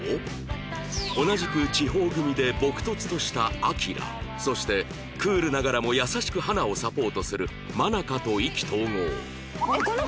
同じく地方組で朴訥とした晃そしてクールながらも優しく花をサポートする愛香と意気投合